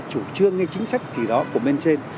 chủ trương hay chính sách gì đó của bên trên